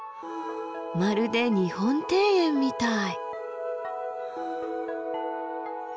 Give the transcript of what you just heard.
まるで日本庭園みたい。